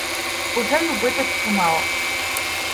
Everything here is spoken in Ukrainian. Уже й убитих чимало.